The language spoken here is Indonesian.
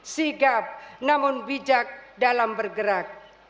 sigap namun bijak dalam bergerak